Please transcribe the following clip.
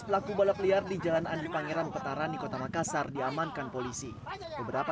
dua belas pelaku balap liar di jalanan di pangeran petara di kota makassar diamankan polisi beberapa